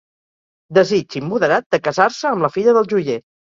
Desig immoderat de casar-se amb la filla del joier.